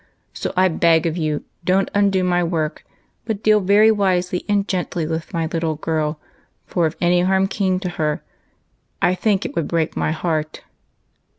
So I beg of you don't undo my work, but deal very wisely and gently with my little girl, for if any harm come to her, I think it would break my heart."